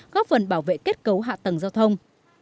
góp phần bảo vệ kết cấu hạ tầng giao thông